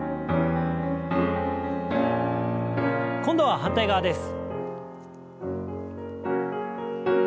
今度は反対側です。